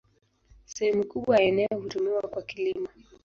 Sehemu kubwa ya eneo hutumiwa kwa kilimo.